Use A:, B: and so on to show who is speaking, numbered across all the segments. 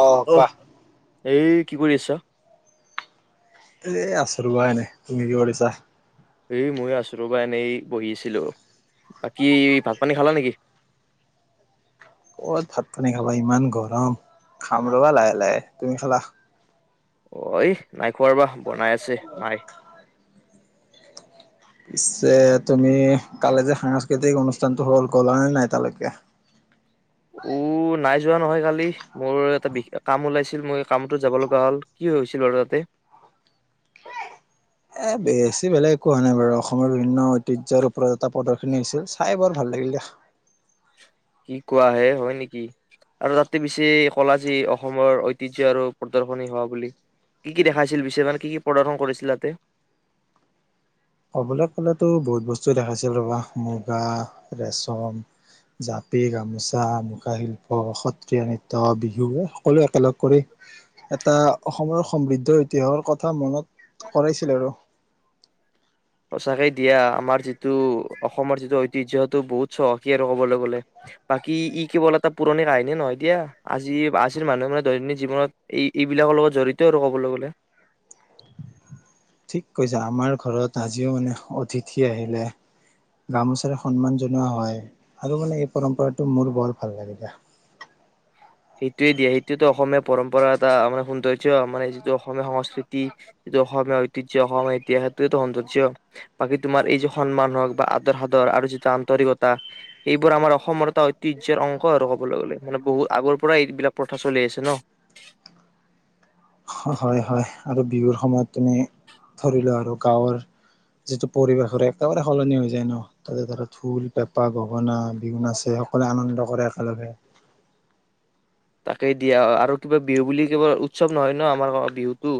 A: অহ কোৱা।
B: এই কি কৰি আছ।
A: এ আছো ৰ'বা এনে। তুমি কি কৰিছা?
B: এই মই আছোঁ ৰবা এনেই বহি আছিলো। বাকী ভাত পানী খালা নেকি?
A: ক'ত ভাত পানী খাবা ইমান গৰম খাম ৰ'বা লাহে লাহে তুমি খালা?
B: অ' ঐ নাইখোৱাৰ ৰবা বনাই আছে মাই
A: পিছে তুমি কালে যে সাংস্কৃতিক অনুষ্ঠানতটো হ'ল গ'লা নে নাই তালেকে?
B: উ নাই যোৱা নহয় কালি মোৰ এটা কাম ওলাইছিল মই কামটো যাব লগা হ'ল কি হৈছিল বাৰু তাতে।
A: এ বেছি বেলেগ একো হোৱা নাই বাৰু অসমৰ বিভিন্ন ঐতিহ্যৰ ওপৰত এটা প্ৰদৰ্শিনী হৈছিল চাই বৰ ভাল লাগিল দিয়া।
B: কি কোৱাহে হয় নেকি, আৰু তাতে পিছে কলাজি অসমৰ ঐতিহ্য আৰু প্ৰদৰ্শনী হোৱা বুলি কি কি দেখাইছিল পিছে মানে কি কি প্ৰদৰ্শন কৰিছিল তাতে।
A: ক'বলৈ গ'লেতো বহুত বস্তু দেখাইছে ৰ'বা। মুগা ৰেচম, জাপি, গামোচা, মুগা শিল্প, সত্ৰীয়া নৃত্য, বিহু সকলোৱ একেলগ কৰি। এটা অসমৰ সমৃদ্ধ ইতিহাসৰ কথা মনত কৰাইছিলে আৰু
B: সচাকেই দিয়া আমাৰ যিটো অসমৰ যিটো ঐতিহ্য তো বহুত চহকী আৰু কবলৈ গলে বাকী ই কেৱল এটা পুৰণি কাহিনী নহয় দিয়া আজি আজিৰ মানুহে মানে দৈনন্দিন জীৱনত এই এইবিলাকৰ লগত জড়িত আৰু কবলৈ গ'লে।
A: ঠিক কৈছা আমাৰ ঘৰত আজিও মানে অতিথি আহিলে গামোচাৰে সন্মান জনোৱা হয় আৰু মানে এই পৰম্পৰাটো মোৰ বৰ ভাল লাগিলে।
B: সেইটোৱে দিয়া সেইটোৱেটো অসমীয়া পৰম্পৰা এটা আমাৰ সৌন্দৰ্য্য আমাৰ যিটো অসমীয়া সংস্কৃতি যিটো অসমীয়া ঐতিহ্য অসমীয়া ইতিহাস সেইটোৱেই তো সৌন্দৰ্য্য, বাকী তোমাৰ এই যে সন্মান হওক বা আদৰ সাদৰ, আৰু যিটো আন্তৰিকতা সেইবোৰ আমাৰ অসমৰ এটা ঐতিহ্যৰ অংশ আৰু ক'বলৈ গ'লে মানে বহুত আগৰ। পৰাই এইবিলাক প্ৰথা চলি আছে ন।
A: হয় হয় আৰু বিহুৰ সময়ত তুমি ধৰিলোৱা আৰু গাঁৱৰ যিটো পৰিৱেশ আৰু একেবাৰে সলনি হৈ যায় ন তাতে ধৰা ঢোল পেঁপা গগনা বিহু নাছে সকলোৱে আনন্দ কৰে একেলগে।
B: তাকে দিয়া, আৰু কিবা বিহু বুলি কেৱল উৎসৱ নহয় ন। আমাৰ বিহুটো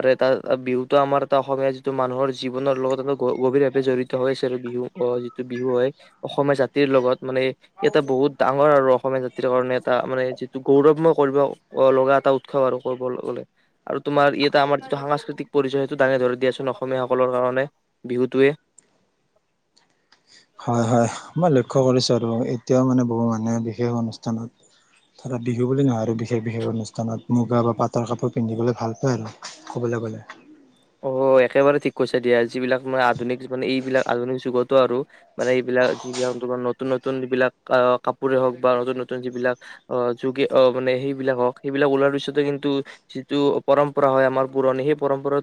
B: আৰু তাত বিহুটো আমাৰ এটা অসমীয়া যিটো মানুহৰ জীৱনৰ লগত এটা গভীৰভাৱে জড়িত হৈ আছে আৰু বিহু আহ যিটো বিহু হয়। অসমীয়া জাতিৰ লগত মানে এটা বহুত ডাঙৰ আৰু অসমীয়া জাতিৰ কাৰণে এটা মানে গৌৰৱময় কৰিব লগা এটা উৎসৱ আৰু কবলে গলে, আৰু তোমাৰ ই এটা আমাৰ সাংস্কৃতিক পৰিচয় সেইটো দাঙি ধৰি দিয়াচোন অসমীয়াসকলৰ কাৰণে বিহুটোৱে।
A: হয় হয় মই লক্ষ্য কৰিছোঁ আৰু এতিয়াও মানে বহু মানুহে বিশেষ অনুষ্ঠানত ধৰা বিহু বুলি নহয় আৰু বিশেষ বিশেষ অনুষ্ঠানত মুগা বা পাটৰ কাপোৰ পিন্ধিবলৈ ভাল পায় আৰু ক'বলৈ গ'লে।
B: অ' একেবাৰে ঠিক কৈছে দিয়া যিবিলাক মানে আধুনিক মানে এইবিলাক আধুনিক যুগতো আৰু মানে এইবিলাক যিবিলাক নতুন নতুন যিবিলাক কাপোৰে হওক বা নতুন নতুন যিবিলাক অ যুগে মানে সেইবিলাক হওক সেইবিলাক ওলাৰ পিছতে কিন্তু যিটো পৰম্পৰা হয় আমাৰ পুৰণি সেই পৰম্পৰা।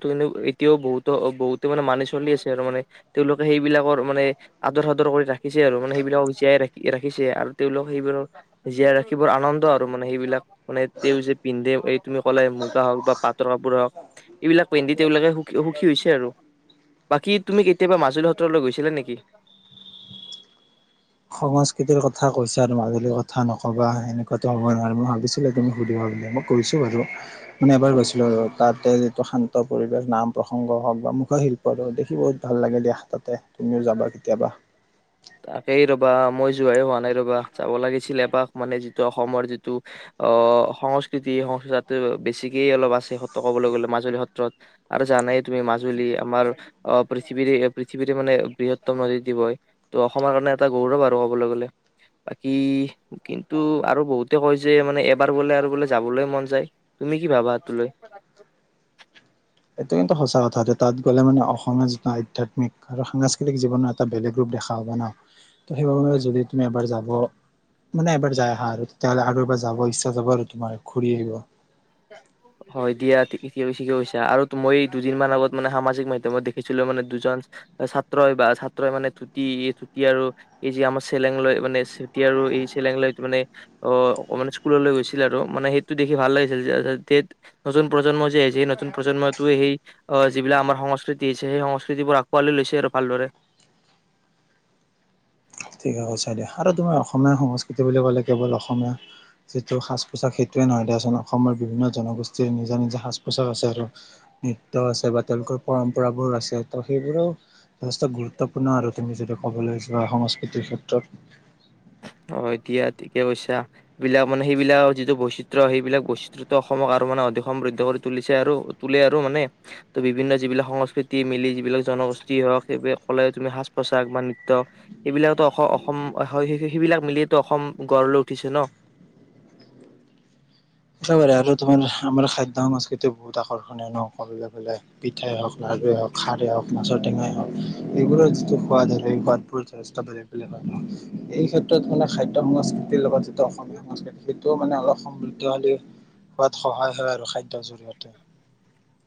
B: এতিয়াও বহুতো বহুতে মানে মানি চলি আছে আৰু, মানে তেওঁলোকে সেইবিলাকৰ মানে আদৰ সাদৰ কৰি ৰাখিছে আৰু মানে সেইবিলাক জীয়াই ৰাখি ৰাখিছে আৰু তেওঁলোক সেইবিলাক জীয়াই ৰাখিবৰ আনন্দ আৰু মানে সেইবিলাক মানে তেওঁ যে পিন্ধে এই তুমি ক'লে মুগা হওক বা পাটৰ কাপোৰ হওক এইবিলাক। পিন্ধি তেওঁলোকে সুখ সুখী হৈছে আৰু বাকী তুমি কেতিয়াবা মাজুলী সত্ৰলৈ গৈছিলা নেকি?
A: সংস্কৃতিৰ কথা কৈছা আৰু মাজুলীৰ কথা নক'বা এনেকুৱাতো হ'ব নোৱাৰে মই ভাবিছিলো তুমি সুধিবা বুলি মই কৈছো বাৰু মানে এবাৰ গৈছিলো আৰু তাতে যিটো শান্ত পৰিৱেশ, নাম প্ৰসংগ হওক বা মুখা শিল্পৰ দেখি বহুত ভাল লাগে দিয়া তাতে তুমিও যাবা কেতিয়াবা।
B: তাকেই ৰ'বা মই যোৱাই হোৱা নাই ৰ'বা যাব লাগিছিল। এপাক মানে যিটো অসমৰ যিটো আহ সংস্কৃতি তাতেই বেছিকেই অলপ আছে সত্ৰ কবলৈ গলে মাজুলী সত্ৰত আৰু জানাই তুমি মাজুলী আমাৰ অ' পৃথিৱীৰে পৃথিৱীৰে মানে বৃহত্তম নদী ঢিপ হয়। অসমৰ কাৰণে এটা গৌৰৱ আৰু কবলৈ গলে, বাকী কিন্তু আৰু বহুতে কয় যে, মানে এবাৰ বোলে আৰু বোলে যাবলৈ মন যায়। তুমি কি ভাবা সেইটোক লৈ?
A: এইটো কিন্তু সঁচা কথ, তাত গ'লে মানে অসমীয়া যি আধ্যয়াত্মিক আৰু সাংস্কৃতিক জীৱনৰ এটা বেলেগ ৰূপ দেখা পাবা নহ। সেইবাবে যদি তুমি এবাৰ যাব, মানে এবাৰ যাই আহা, আৰু তেতিয়াহলে আৰু এবাৰ যাব ইচ্ছা যাব আৰু তোমাৰ ঘুৰি আহিব।
B: হয় দিয়া ঠিকেই কৈছা, আৰু মই দুদিন মান আগত মানে সামাজিক মাধ্যমত দেখিছিলোঁ মানে, দুজন ছাত্ৰই বা ছাত্ৰই মানে, ধূতি মানে ধূতি আৰু এই যে আমাৰ চেলেং লৈ মানে, এই চেলেং লৈ মানে, অ' মানে স্কুললৈ গৈছিলে আৰু, মানে সেইটো দেখি ভাল লাগিছিল। নতুন প্ৰজন্মই যে, সেই নতুন প্ৰজন্মটোৱে সেই আহ যিবিলাক আমাৰ সংস্কৃতি আছে, সেই সংস্কৃতিবোৰ আঁকোৱালি লৈছে আৰু ভালদৰে।
A: ঠিকে কৈছা দিয়া আৰু তুমাৰ অসমীয়া সংস্কৃতি বুলি ক'লে, কেৱল অসমীয়া যিটো সাজ পোছাক সেইটোৱে নহয় দিয়া চোন, অসমৰ বিভিন্ন জনগোষ্ঠীৰ নিজা নিজা সাজ পোছাক আছে আৰু, নৃত্য আছে বা তেওঁলোকৰ পৰম্পৰাবোৰ আছে ত' সেইবোৰৰেও যথেষ্ট গুৰুত্বপূৰ্ণ আৰু তুমি যদি ক'বলৈ যোৱা সংস্কৃতি এইটো ক্ষেত্ৰত
B: অ এতিয়া ঠিকে কৈছা। এইবিলাক মানে সেইবিলাক যিটো বৈচিত্ৰ্য, সেইবিলাক বৈচিত্ৰ অসমক আৰু মানে অধিক সমৃদ্ধ কৰি তুলিছে আৰু তোলে আৰু মানে, ত বিভিন্ন যিবিলাক সংস্কৃতি মিলি যিবিলাক জনগোষ্ঠী হওক সেইবিলাক কলে তুমি সাজ পোছাক বা নৃত্য সেইবিলাকো অসম সেইবিলাক মিলি ত অসম গঢ় লৈ উঠিছে ন।
A: একবাৰে আৰু তোমাৰ আমাৰ খাদ্য সংস্কৃতি বহুত আকৰ্ষণীয় ন, কবলৈ গলে পিঠাই হওক লাড়ুয়ে হওক, খাৰেই হওক, মাছৰ টেঙাই হওক, এইবোৰৰ যিটো সোৱাদ, আৰু সেই সোৱাদবোৰ যথেষ্ট বেলেগ বেলেগ হয়, এই ক্ষেত্ৰত মানে খাদ্যয় সংস্কৃতিৰ লগত যিটো অসমীয়া সংস্কৃতি সেইটোও মানে অলপ সম খোৱাত সহায় হয় আৰু খাদ্যৰ জৰিয়তে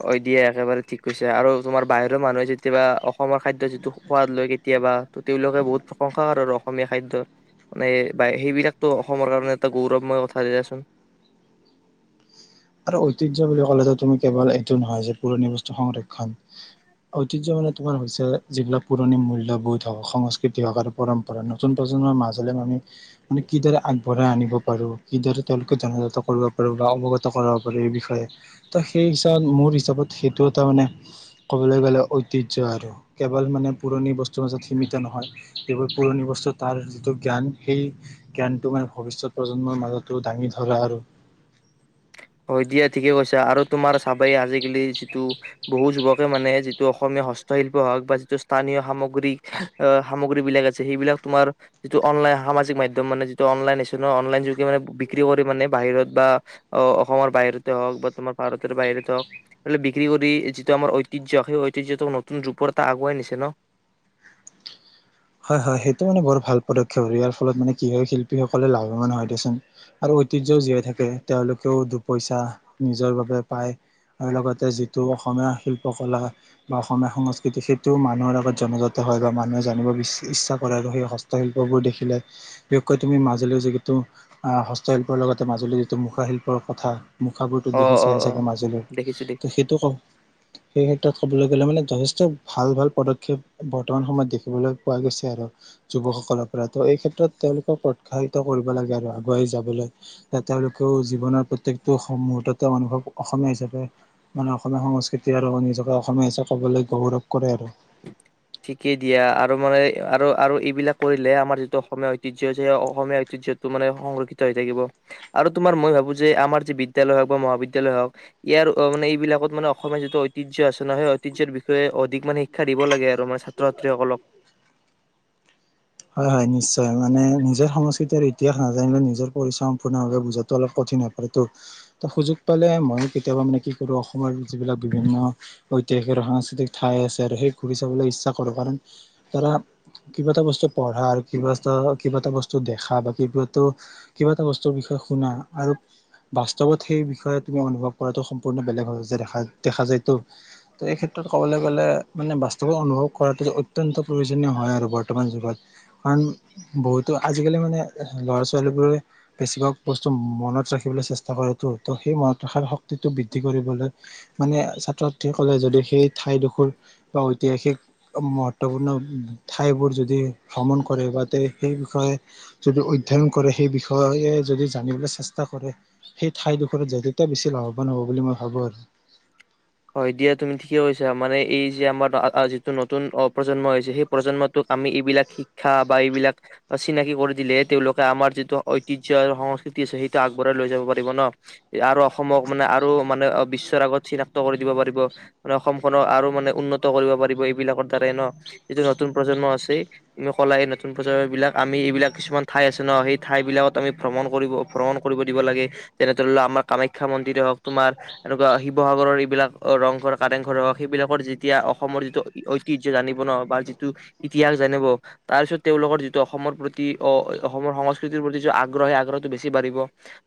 B: হয় দিয়া একেবাৰে ঠিক কৈছে, আৰু তোমাৰ বাহিৰৰ মানুহে যেতিয়া অসমৰ খাদ্য যিটো সোৱাদ লয়, কেতিয়াবা, ত তেওঁলোকে বহুত প্ৰশংসা কৰে আৰু অসমীয়া খাদ্য। মানে, সেইবিলাকতো অসমৰ কাৰণে এটা গৌৰৱময় কথা দিয়াচোন।
A: আৰু ঐতিয্য বুলি কলে তুমি কেৱল এইটো নহয় যে পুৰণি বস্তু সংৰক্ষণ, ঐতিহ্য মানে তোমাৰ হৈছে যিবিলাক পুৰণি মূল্যবোধ সংস্কৃতি হওক আৰু পৰম্পৰা, নতুন প্ৰজন্মৰ মাজলে আমি মানে কিদৰে আগবঢ়াই আনিব পাৰোঁ কিদৰে তেওঁলোকে জনাজাত কৰিব পাৰো বা অৱগত কৰাব পাৰে এই বিষয়ে ত সেই হিচাপত, মোৰ হিচাপত, সেইটো এটা মানে ক'বলৈ গলে ঐতিয্য আৰু। কেৱল মানে পুৰণি বস্তুৰ মাজত সীমিত নহয়, কেৱল পুৰণি বস্তু তাৰ যিটো জ্ঞান সেই জ্ঞানটো মানে ভৱিষ্যত প্ৰজন্মৰ মাজতো দাঙি ধৰা আৰু
B: হয় দিয়া ঠিকে কৈছা। আৰু তুমাৰ চাবেই আজিকালি যিটো বহু যুৱকে মানে যিটো অসমীয়া হস্তশিল্প হওক বা যিটো স্থানীয় সামগ্ৰী সামগ্ৰী বিলাক আছে, সেইবিলাক তোমাৰ যিটো অনলাইন সামাজিক মাধ্যম মানে, যিটো অনলাইন আছে ন, অনলাইন যোগে মানে বিক্ৰী কৰি মানে বাহিৰত বা অ অসমৰ বাহিৰতে হওক, বা তোমাৰ ভাৰতৰ বাহিৰতে হওক, এইফ বিক্ৰী কৰি যিটো আমাৰ ঐতিহ্য সেই ঐতিহ্য টোক নতুন ৰূপৰ এটা আগুৱাই নিছে ন।
A: হয়! হয়! সেইটো মানে বৰ ভাল পদক্ষেপ হয়! ইয়াৰ ফলত মানে কি হয় শিল্পীসকলে লাভৱান হয় দিয়চোন, আৰু ঐতিহ্যও জীয়াই থাকে, তেওঁলোকেও দুপইচা নিজৰ বাবে পায় আৰু লগতে যিটো অসমীয়া শিল্প কলা বা অসমীয়া সংস্কৃতি সেইটো মানুহৰ আগত জনজাত হয় বা মানুহে জানিব বি ইচ্ছা কৰে আৰু সেই হস্তশিল্প বোৰ দেখিলে, বিশেষকৈ তুমি মাজুলীৰ যিটো আহ হস্তশিল্পৰ লগতে মাজুলীৰ যিটো মুখা শিল্পৰ কথা মুখাবোৰতো
B: অ
A: দেখি
B: অ
A: চাই
B: অ
A: চাগে মাজুলীৰ,
B: দেখিছো দেখিছো
A: ত সেইটো ক সেই ক'বলৈ গ'লে মানে যথেষ্ট ভাল ভাল পদক্ষেপ বৰ্তমান সময়ত দেখিবলৈ পোৱা গৈছে আৰু যুৱকসকলৰ পৰা, ত এই ক্ষেত্ৰত তেওঁলোকক উৎসাহিত কৰিব লাগে আৰু আগুৱাই যাবলৈ তেওঁলোকেও জীৱনৰ প্ৰত্যেকটো মুহূৰ্ততে অনুভৱ অসমীয়া হিচাপে মানে অসমীয়া সংস্কৃতি আৰু হিচাপে অসমীয়া হিচাপে কবলৈ গৌৰৱ কৰে আৰু
B: ঠিকেই দিয়া আৰু মানে আৰু আৰু এইবিলাক কৰিলে আমাৰ যিটো অসমীয়া ঐতিহ্য যে অসমীয়া ঐতিহ্যটো মানে সংৰক্ষিত হৈ থাকিব, আৰু তোমাৰ মই ভাবোঁ যে আমাৰ যি বিদ্যালয় হওক, বা মহাবিদ্যালয় হওক, ইয়াৰ মানে এইবিলাকত মানে অসমীয়া যিটো ঐতিহ্য আছে ন, সেই ঐতিহ্যৰ বিষয়ে অধিক মানে শিক্ষা দিব লাগে। ছাত্ৰ ছাত্ৰীসকলক
A: হয়, হয় নিশ্চয়। মানে নিজৰ সংস্কৃতিৰ ইতিহাস নাজানিলে, নিজৰ পৰিশ্ৰম সম্পূৰ্ণ ভাৱে বুজাতটো অলপ কঠিন হৈ পাৰে। তো ত সুযোগ পালে ময়ো কেতিয়াবা মানে কি কৰোঁ, অসমৰ যিবিলাক বিভিন্ন ঐতিহাসিক আৰু সাংস্কৃতিক ঠাই আছে, আৰু সেই ঘূৰি চাবলৈ ইচ্ছা কৰোঁ। কাৰণ ধৰা কিবা এটা বস্তু কিবা এটা বস্তুৰ বিষয়ে পঢ়া আৰু কিবা এটা কিবা এটা বস্তু দেখা, বা কিবা কিবা এটা বস্তুৰ বিষয়ে শুনা আৰু বাস্তৱত সেই বিষয়ে তুমি অনুভৱ কৰাটো, সম্পূৰ্ণ বেলেগ হয়। যে, দেখা যায়তো, ত এই ক্ষেত্ৰত ক'বলৈ গ'লে, মানে বাস্তৱত অনুভৱ কৰাটো অত্যন্ত প্ৰয়োজনীয় হয় আৰু বৰ্তমান যুগত। কাৰণ, বহুতো আজিকালি মানে ল'ৰা ছোৱালীবোৰে বেছিভাগ বস্তু মনত ৰাখিবলৈ চেষ্টা কৰেটো ত' সেই মনত ৰখাৰ শক্তিটো বৃদ্ধি কৰিবলৈ মানে ছাত্ৰ ছাত্ৰীকলে যদি সেই ঠাইডোখৰ, বা ঐতিহাসিক মহত্বপূৰ্ণ ঠাইবোৰ যদি ভ্ৰমণ কৰে, বা তে সেই বিষয়ে যদি অধ্যয়ন কৰে, সেই বিষয়ে যদি জানিবলৈ চেষ্টা কৰে, সেই ঠাইডোখৰত তেতিয়া বেছি লাভৱান হ'ব বুলি মই ভাবো আৰু।
B: হয় দিয়া। তুমি ঠিকেই কৈছা, মানে এই যে আমাৰ যিটো নতুন অ প্ৰজন্ম হৈছে, সেই প্ৰজন্মটোক আমি এইবিলাক শিক্ষা বা এইবিলাক চিনাকি কৰি দিলেহে, তেওঁলোকে আমাৰ যিটো ঐতিহ্য আৰু সংস্কৃতি আছে সেইটো আগবঢ়াই লৈ যাব পাৰিব ন? আৰু অসমক মানে, আৰু মানে বিশ্বৰ আগত চিনাক্ত দিব পাৰিব, মানে অসমখনক আৰু মানে উন্নত কৰিব পাৰিব এইবিলাকৰ দ্বাৰাই ন, যিটো নতুন প্ৰজন্ম আছে তুমি ক'লা এই নতুন প্ৰজন্ম বিলাক আমি এইবিলাক কিছুমান ঠাই আছে ন, সেই ঠাই বিলাকত আমি ভ্ৰমণ কৰিব ভ্ৰমণ কৰিব দিব লাগে যেনে ধৰি লোৱা আমাৰ কামাখ্যা মন্দিৰে হওক, তোমাৰ এনেকুৱা শিৱসাগৰৰ এই বিলাক ৰংঘৰ কাৰেংঘৰ হওক, সেইবিলাকৰ যেতিয়া অসমৰ যিটো ঐতিহ্য জানিব ন, বা যিটো ইতিহাস জানিব, তাৰ পিছত তেওঁলোকৰ যিটো অসমৰ প্ৰতি, অসমৰ সংস্কৃতিৰ প্ৰতি, যিটো আগ্ৰহ সেই আগ্ৰহটো বেছি বাঢ়িব।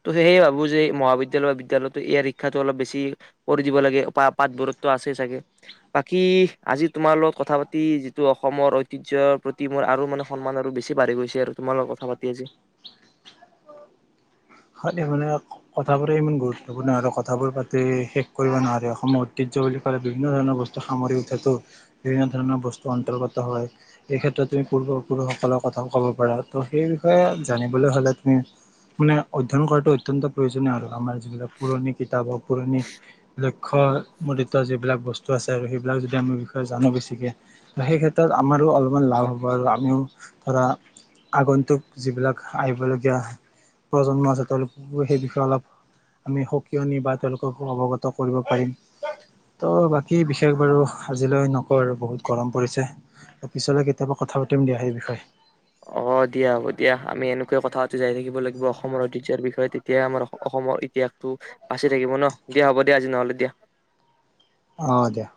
B: ত' সেয়েহে ভাবো যে মহাবিদ্যালয় বা বিদ্যালয়তো ইয়াৰ শিক্ষাটো অলপ বেছি কৰি দিব লাগে, পাতবোৰতো আছে চাগে, বাকী আজি তোমাৰ লগত কথা পাতি যিটো অসমৰ ঐতিহ্যৰ প্ৰতি মোৰ আৰু মানে সন্মান আৰু বেছি বাঢ়ি গৈছে আৰু, তোমাৰ লগত কথা পাতি আজি।
A: কথাবোৰে ইমান গুৰুত্বপূৰ্ণ হয়, কথাবোৰ পাতি শেষ কৰিব নোৱাৰে। অসমৰ ঐতিহ্য বুলি ক'লে বিভিন্ন ধৰণৰ বস্তু সামৰি উঠাতো বিভিন্ন ধৰণৰ বস্তু অন্তৰ্গত হয়, এই ক্ষেত্ৰত তুমি পূৰ্বপুৰুষসকলৰ কথা ক'ব পাৰা ত' সেই বিষয়ে জানিবলৈ হ'লে তুমি মানে অধ্যয়ন কৰাটো অতন্ত প্ৰয়োজনীয় আৰু আমাৰ যিবিলাক পুৰণি কিতাপৰ পুৰণি লক্ষ্য মোদিত যিবিলাক বস্তু আছে, আৰু সেইবিলাক যদি আমি বিষয়ে জানোঁ বেছিকৈ তো, সেই ক্ষেত্ৰত আমাৰো অলপমান লাভ হ'ব আৰু আমিও ধৰা আগন্তুক যিবিলাক আহিবলগীয়া প্ৰজন্ম আছে তেওঁলোককো সেই বিষয়ে অলপ আমি সকিয়নি বা তেওঁলোককো অৱগত কৰিব পাৰিম। ত' বাকী বিশেষ বাৰু আজিলৈ নকওঁ আৰু, বহুত গৰম পৰিছে। ত পিছলৈ কেতিয়াবা কথা পাতিম দিয়া সেই বিষয়ে।
B: অ দিয়া হ'ব দিয়া, আমি এনেকুৱয় কথা পাতি যাই থাকিব লাগিব। অসমৰ ঐতিহ্যয়ৰ বিষয়ে তেতিয়াই আমাৰ অসমৰ ইতিহাসটো বাচি থাকিব ন, দিয়া হ'ব দিয়া আজি নহ'লে দিয়া।
A: অ দিয়া।